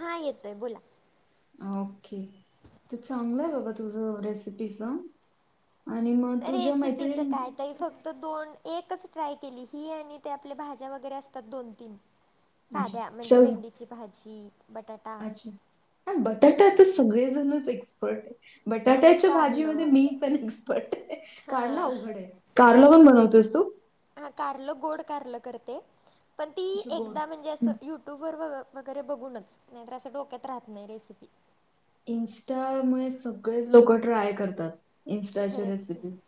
हां येतोय बोलां. ओके ते चांगलंय आहे बाबां तुझं रेसिपी चं आणि मंग तुझ्यां मैत्रिणी आंता हं फक्तं दोन एकचं ट्राय केली ही आणि ते आपल्यां भांज्या वगैरें असतांत दोन तीनं [inaudible] [unintelligible] सांध्या म्हणजे चल भेंडीची भांजी बटाटा हं बटाटा आंता सगळेजणचं एक्सपर्ट आहे. आणि बटाट्यांच्या भांजी मध्यें कारलं मी पणं एक्स्पर्ट काढला हा अवघंड आहे कांल ऊंन बनवतेस तुं हां कारल गोड कारल करते पणं ती अच्छा गोड. एकदां म्हणजे असं हं. यु युंटुब वरं वगैरें बघूंन चं नाहीं तरं अशी डोक्यांत राहतं नाहीं रेसिपी इंस्टा मुळें सगळेंच लोकं ट्राय करतात. इंस्टाची खरंच की रेसिपीज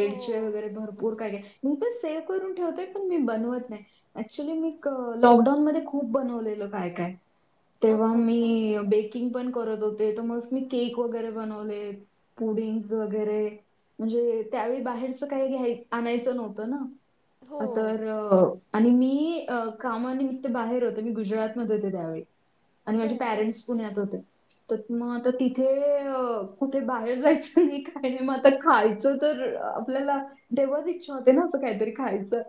हो वगैरें भरंपूर कायं - कायं- खूपचं सेव्ह करूंन ठेवतोय पणं मी बनवंत नाहीं. ऍक्च्युली मी लॉकडाऊन मध्यें खुंप बनवलेलं कायं कायं- तेंव्हा अच्छा मी अच्छा बेकिंग पणं करतं होते तरं मंग मी केक वगैरें बनवले पुडिच वगैरें म्हणजे त्यांवेळी बाहेरचं कांहीं घ्यांय आणायचं नव्हतं हो नां तरं मंग आणि मी कामांनिमित्त बाहेर होतो मी गुजरात मध्यें होते त्यांवेळी आणि माझे बरं बरं पॅरेंट्स पुण्यांत होते. तरं मंग आंता तिथे कुंठे बाहेर जायचं नाहीं कायं नाहीं मंग आंता खायचं तरं आपल्यांला तेव्हांच इच्छा होते नां असं कांहीतरी खायचं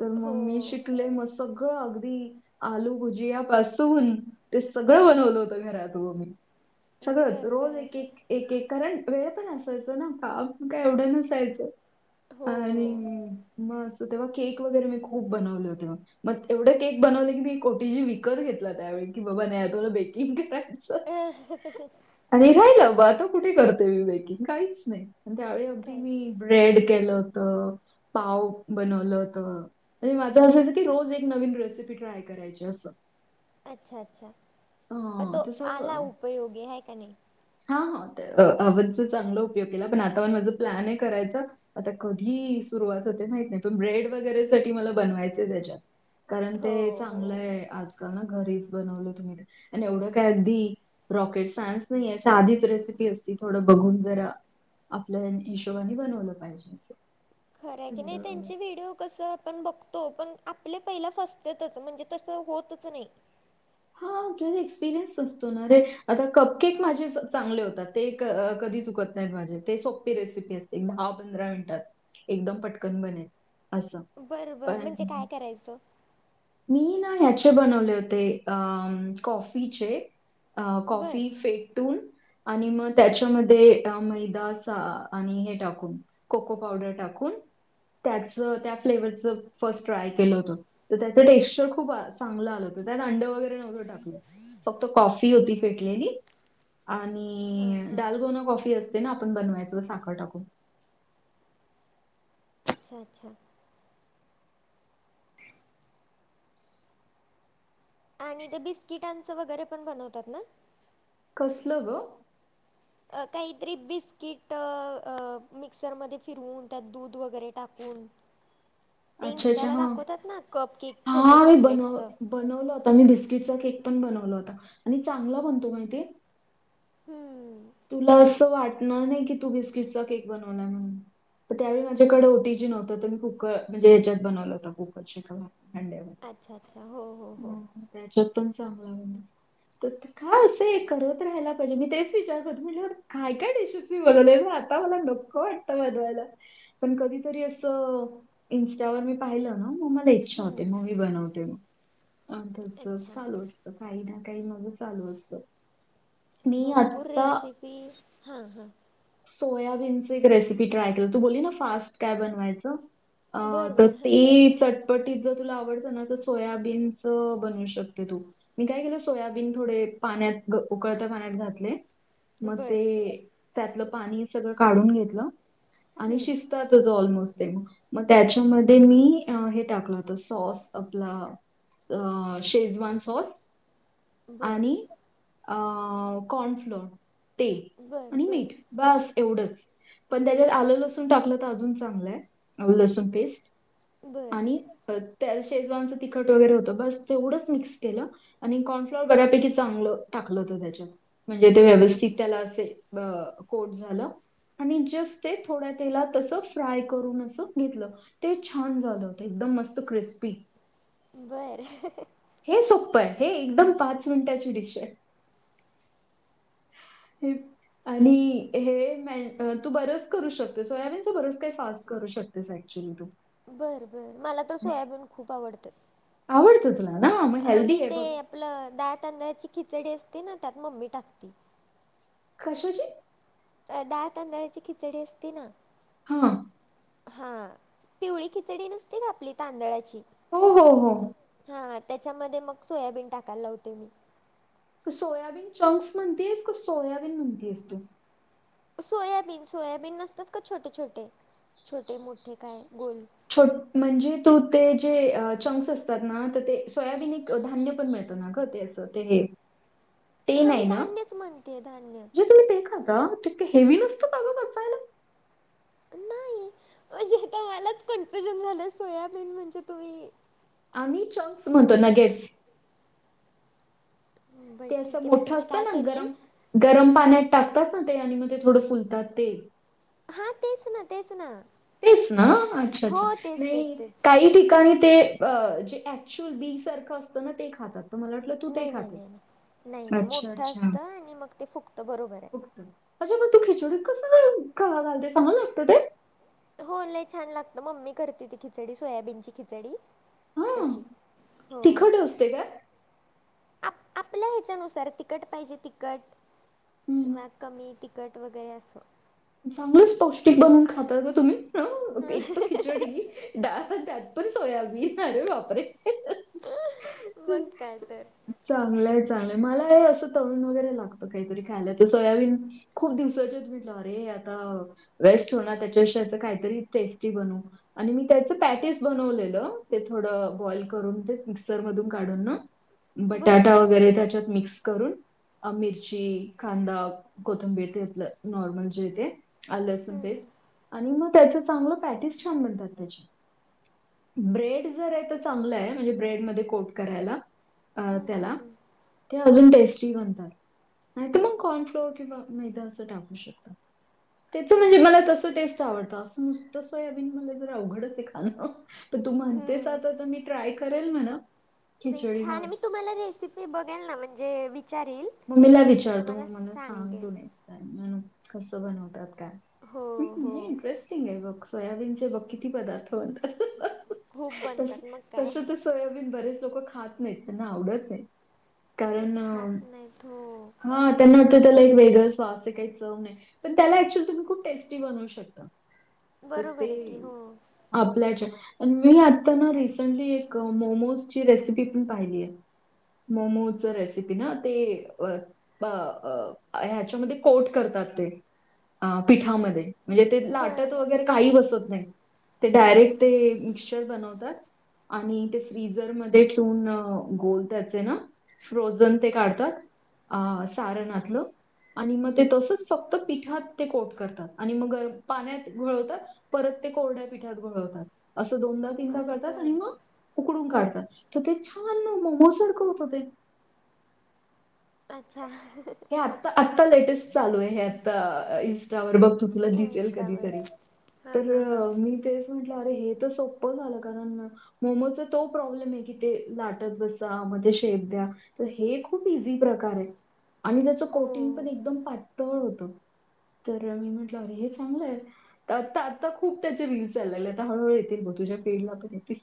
तरं मं हो मी शिकले मस्तं सगळं अगदीं आलु भुजियांपासुन ते सगळं बनवलं होतं घरांत मी सगळंच बरं रोज बरं एक एक एक एक कारणं वेळं पणं असायचं नां कामं एवढं नसायचं हो आणि मंग तसं तेंव्हा केक वगैरें मी खुंप बनवले होते मं मंग एवढं केक बनवले की मी ओटी जी विकतं घेतला त्यांवेळी की बाबां नाहीं आंता बेकिंग करायचं. हं हं हं आणि राहील बां तो कुंठे करते बेकिंग काहींचं नाहीं. आणि त्यांवेळी अगदीं काहीच मी नाही. ब्रेड केलं होतं पांव बनवलं होतं आणि माझं असायचं की रोज एक नवीन रेसिपी ट्राय करायंची- खायचं असं अच्छा अच्छा पणं हां तो आंला तसं उपयोगी हांय कां नाहीं- हां हां ओव्हण चं चांगला उपयोग केलां पणं आंता पणं माझं प्लॅन आहे करायंचा आंता कधीं सुरुवात होते माहित नाहीं पणं ब्रेड वगैरें सांठी मलां बनवायंचे त्यांच्यात कारणं हो ते हो चांगलं आहे आंजकांल नां घरीच बनवलं तुम्हीं ते आणि एवढं कायं अगदी रॉकेट सायन्स नाहीं आहे साधीचं रेसिपी असती थोडं बघुंन जरां आपल्यां हिशोबांने बनवलं पाहिजे असं खरं की तर नाहीं अ त्यांचे व्हिडिओ कसं आपणं बघतो तो पणं आपले पहिला फसतेतचं म्हणजे तसं होतंच नाहीं हां आपलां एक्सपिरियन्स असतो नां रे आंता कपकेक माझे चांगले होतांत ते कधी चुकत नाहीत माझे ते सोपी रेसिपी असते दहा पंधरा मिनिटात. एकदम पटकन बनेल. असं. बरं बरं पण म्हणजे काय करायचं. मी ना याचे बनवले होते अ कॉफीचे. अ बरं कॉफी फेट टून आणि मग त्याच्यामध्ये मैदा सा आणि हे टाकून कोको पावडर टाकून त्याच त्या फ्लेवरच फर्स्ट ट्राय केलं होत. त्याचं टेक्सचर खूप चांगलं आलं होतं त्यात अंड वेगरै टाकून फक्त कॉफी होती फेटलेली हां आणि हां डालगोना कॉफी असते ना आपण बनवायचं साखर टाकून अच्छा अच्छा आणि ते बिस्किटांचं वगैरे पण बनवतात ना? कसलं ग? अ काहीतरी बिस्किट अ अ मिक्सरमध्ये फिरवून त्यात दूध वगैरे टाकून ते अच्छा अच्छा इन्स्टाला ह, दाखवतात ना कप केक छोटं हा मी बनव चॉकलेटचं बनवला होता मी, बिस्किटचा केक पण बनवला होता, आणि चांगला बनतो माहितीये. [unintelligible] तुला असं वाटणार नाही की, तू बिस्किटचा केक बनवलाय म्हणून. तर त्यावेळी माझ्याकडे ओटी जी नव्हतं तर मी कुक म्हणजे ह्याच्यात बनवलं होता कुकर अच्छा अच्छा, हो हो हो. हं, त्याच्यात पण चांगला होता ब तर का असे करत राहायला पाहिजे मी तेच विचार करत काय काय डिशेस मी बनवले आता मला नको वाटतं बनवायला. पण कधीतरी असं इंस्टावर मी पाहिलं ना मग मला ये इच्छा होते हम्म. मुव्ही बनवते मी, आ तसं अच्छा चालू असतं काही ना काही माझं चालू असतं. मी भरपूर आत्ता रेसिपी हां हां. सोयाबीनच एक रेसिपी ट्राय केलं, तू बोलली ना फास्ट काय बनवायचं? अ बरं तर ती चर पण तिज जर तुला आवडतं ना, तर सोयाबीनच बनवू शकते तू. मी काय केलं, सोयाबीन थोडे पाण्यात, उकळत्या पाण्यात घातले. मग ते, बरं त्यातलं पाणी सगळं काढून घेतलं आणि हां शिज तातच ऑलमोस्ट ते, म त्याच्यामध्ये मी अ हे टाकलं होतं सॉस आपला अ शेजवान सॉस बरं बरं आणि कॉर्न फ्लोर ते बरं आणि मीठ बस एवढंच. पण त्याच्यात आलं लसूण टाकलं तर अजून चांगलंय, आल लसूण पेस्ट. बरं बरं आणि अ त्या शेजवानचं तिखट वगैरे होतं, बस तेवढंच मिक्स केलं आणि कॉर्नफ्लॉवर बऱ्यापैकी चांगलं टाकलं होतं त्याच्यात, म्हणजे ते बरं व्यवस्थित त्याला असे अ कोट झालं. आणि जस्ट ते थोड्या तेलात अस फ्राय करून अस घेतलं. ते छान झालं होतं, एकदम मस्त क्रिस्पी. बरं. हे सोप्पं आहे, हे एकदम पाच मिनिटाची डिश हाय. [unintelligible] आणि हे म्या तू बरच करू शकतेस, सोयाबीनच बरच काय फास्ट करू शकतेस ऍक्च्युली तू. बर बर मला तर सोयाबीन खूप आवडतंय. आवडतं तुला ना मग हेल्दीये बघ. आपलं डाळ तांदळाची खिचडी असते ना त्यात मम्मी टाकती. कशाची? अ -डाळ तांदळाची खिचडी असती ना. हा. हा पिवळी खिचडी नसते का आपली तांदळाची. हो हो हो. हा त्याच्यामध्ये मग सोयाबीन टाकाय लावते मी. सोयाबीन चंक्स म्हणतेस, का सोयाबीन म्हणतेयास तू? सोयाबीन, सोयाबीन नसतात का छोटे छोटे, छोटे मोठे काय गोल छो म्हणजे तू ते जे चंक्स असतात ना तर ते सोयाबीन धान्य पण मिळत ना ग, ते असं ते ते हा मी नाय ना? धान्यच म्हणते धान्य जे तुम्ही ते खा ता ते हेवी नसतं का ग पचायला? नाय म्हणजे आता मलाच कन्फ्युजन झालं सोयाबीन म्हणजे तुम्ही आम्ही चॉक्स म्हणतो नगेच बरं ते ठीक असं आहे म्हणजे मोठं मी असतं काय ना करीन गरम गरम पाण्यात टाकतात ना ते आणि मग ते थोडं फुलतात ते. हा तेच ना तेच ना. ना अच्छा अच्छा हो तेच नाई तेच तेच काही ठिकाणी ते अ जे ऍक्च्युअल बी सारखं असतं ना ते खातात. तर मला वाटलं तू ते नाई नाई खातेस नाई नाई नाई नाई अच्छा मोठं अच्छा असतं आणि मग ते फुगत बरोबरय. फक्त अच्छा बा तू खिचडी कस काय घालते ते चांगल लागतं ते? हो लय छान लागतं मम्मी करती ती खिचडी सोयाबीनची खिचडी. हा तशी हो. तिखट असते काय आप आपल्या ह्याच्यानुसार तिकट पाहिजे तिकट हम्म. किंवा कमी तिक कट वगैर असं. चांगलंच पौष्टिक बनवून खातात गं तुम्ही, एकत खिचडी डाळ त्यात पण सोयाबीन अरे बापरे. मग काय तर. चांगलंय चांगलंय मला असं तळुण वगैरे लागतं काहीतरी खायला तर ते सोयाबीन खूप दिवसाचे आहेत म्हणल अरे आता वेस्ट हो ना त्याच्या विषयाच काहीतरी टेस्टी बनवू. आणि मी त्याचं पॅटीस बनवलेलं ते थोडं बॉईल करून तेच मिक्सर मधून काढून ना. बटाटा बरं वगैरे त्याच्यात मिक्स वरून अ -मिरची कांदा कोथंबीर ते आपल नॉर्मल जे हाय ते आल लसून हं, हं. पेस्ट आणि मग त्याच चांगलं पॅटीस छान बनतात त्याचे. ब्रेड जर आहे तर चांगलं आहे म्हणजे ब्रेडमध्ये कोट करायला आ हम्म, हम्म, -त्याला. हम्म. ते अजून टेस्टी बनतात नाय त मग कॉर्नफ्लोअर किंवा मैदा असं टाकू शकता. त्याच म्हणजे मला अच्छा तस अच्छा टेस्ट आवडतं असं नुसतं सोयाबीन मला जर अवघडचय खाण. तर तू म्हणतेस हम्म. आता तर मी ट्राय करेल म्हणा. नाई खिचडी भात. छान मी तुम्हाला रेसिपी बघेल ना म्हणजे विचारील. मम्मीला आणि विचारतो म तुम्हाला मला सांग तु सांगेन कस बनवतात काय हो हो हे इंटरेस्ट थिंगाय बगं सोयाबीनचे बघ किती पदार्थ बनतात खूप तस बनतात मग काय तस तस सोयाबीन बरेच लोक खात नाहीत. त्यांना आवडत नाही. खात नाहीत. हो. हा. त्यांना वाटतं त्याला एक वेगळाच वास ए. काही चव - नाही. पण त्याला अच्युली तुम्ही खूप टेस्टी बनवू शकता. तर बरोबर ते आहे की हो - आपल्याच्या प मी आता ना रिसेंटली एक मोमोजची रेसिपी पण पाहिली आहे. मोमोजचं रेसिपी ना? ते ह्याच्यामध्ये कोट करतात ते. आं पिठामध्ये. म्हणजे ते लाटत बर वगैरे काही बसत नाही. ते हम्म, हम्म, डायरेक्ट हम्म. ते मिक्चर बनवतात- आणि ते फ्रीझरमध्ये ठेवून, गोल त्याचे ना? फ्रोजन ते काढते- - तात. अ सारण आतलं. आणि मग ते तसच फक्त पिठात ते कोट करतात. आणि मग अ पाण्यात घोळवतात. परत ते कोरड्या पिठात घोळवतात. असं दोनदा तीनदा बर करतात आणि बर मग- उकडून काढतात. तर ते छान मोमो सारखं होतं ते. अच्छा. हे आत्ता. आत्ता लेटेस्ट चालू आहे हे. आता इंस्टावर बघ तू तुला दिसेल इन्स्टावर कधीतरी. हां तर हां हां मी तेच म्हटलं. अरे हे तर सोप्पं झालं कारण- मोमोचा तो प्रॉब्लेम आहे कि ते लाटत बसा मग ते शेप द्या. तर हे खूप इझी प्रकार आहे. आणि त्याचं हो कोटिंग पण एकदम पातळ होत. तर मी म्हटलं अरे हे चांगलं आहे. आत्ता आत्ता खूप त्याचे रील चालायलेत. आता हळूहळू येतील बघ तुझ्या फील्डला पण येतील.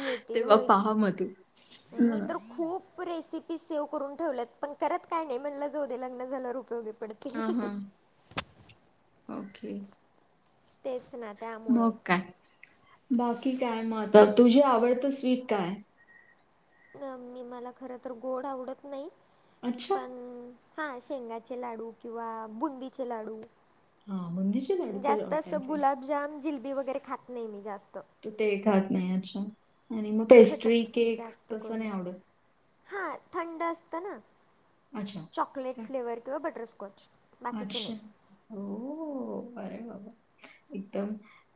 येतील. तेव्हा होय पहा की. मग तू. मी हं. तर खूप- रेसिपी सेव्ह करून ठेवल्यायेत. पण करत काय नाही म्हणलं जाऊ दे लग्न झाल्यावर उपयोगी- पडतील ह हा. ओके. तेच ना. ते आ- मग काय? बाकी काय म आता? तुझ आवडतं स्वीट काय? मी मला खर तर गोड आवडत नाही. अच्छा! पण- हा. शेंगाचे लाडू किंवा बुंदीचे लाडू. हां, बुंदीचे लाडू तर जास्त ऑल अस टाईम फेवरेट. गुलाबजाम, जिलबी वगैरे खात नाही मी जास्त. तू ते खात नाही अच्छा. आणि मग पेस्ट्री, तिखटच केक तसं नाही आवडत? हा. थंड असतं ना? अच्छा. चॉकलेट फ्लेवर किंवा बटरस्कॉच. बाकीचे अच्छा. नाही. ओ -बरय बाबा. एकदम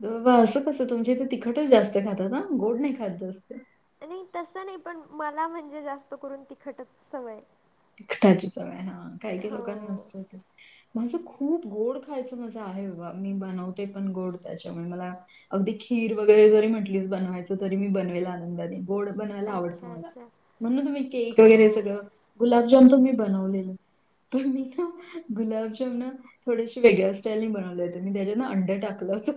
बाबा असं कसं तुमच्या इथे तिखटच जास्त खातात हना? गोड नाही खात जास्त. नाही तसं नाही. पण मला म्हणजे जास्त करून तिखटच सवयये. तिखटाची सवय हा. काही काही लोकांना नसत ते. माझं खूप गोड खायचं माझा आहे बाबा. मी बनवते पण गोड त्याच्यामुळे मला- अगदी खीर वगैरे जरी म्हटली बनवायचं. तरी मी बनवेल आनंदानी. गोड बनवायला आवडतं अच्छा मला. अच्छा म्हणून मी केक हो. वगैरे सगळं- गुलाबजाम पण मी बनवलेले. पण मी ना गुलाबजामना- थोडेसे वेगळ्या स्टाईलनी बनवले होते. मी त्याच्यात ना अंड टाकलं होत.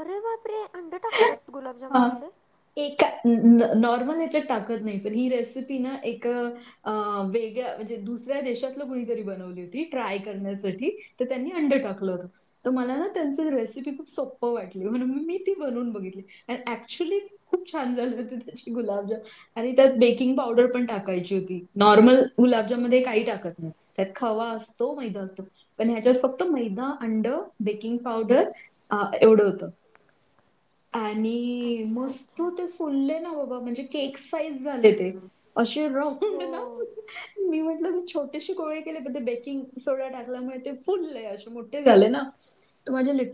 अरे बापरे! अंड टाकतात गुलाबजाममध्ये? ए नॉर्मल ह्याच्यात टाकत नाही. पण ही रेसिपी ना एक- अ वेगळ्या म्हणजे दुसऱ्या देशातलं कुणी तरी बनवली होती. ट्राय करण्यासाठी. तर त्यांनी अंड टाकलं होतं मला ना त्यांच रेसिपी खूप सोप्प वाटली म्हणून म मी ती बनवून बघितली आणि ऍक्च्युली खूप छान झाले होते गुलाबजाम आणि त्यात बेकिंग पावडर पण टाकायची होती नॉर्मल गुलाबजाम मध्ये बरं काही बरं टाकत नाही त्यात खवा असतो मैदा असतो पण ह्याच्यावर फक्त मैदा अंड बेकिंग पावडर ह एवढं होतं आणि अच्छा मस्त अच्छा ते फुलले ना बाबा म्हणजे केक साइज झाले ते अशी राऊंड ना हो मी म्हटलं छोटेसे [inaudible] कोळे केले बण ते बेकिंग सोडा टाकल्यामुळे ते फुलले असे मोठे झाले ना त माझे